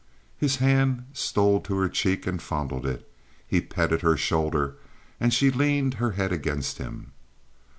His hand stole to her cheek and fondled it. He petted her shoulder, and she leaned her head against him.